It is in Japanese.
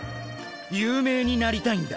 有名になりたいんだ。